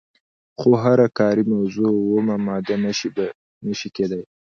خو هره کاري موضوع اومه ماده نشي کیدای.